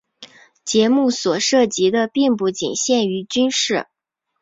节目所涉及的并不仅限于军事。